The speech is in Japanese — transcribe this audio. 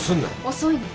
遅いのよ。